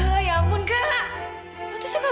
berarti kamu jugaanesa dengan ibu kamu